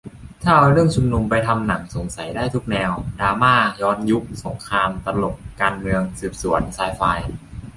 ถ้าเอาเรื่องชุมนุมไปทำหนังสงสัยได้ทุกแนว ดราม่า ย้อนยุค สงคราม ตลก การเมือง สืบสวน ไซไฟ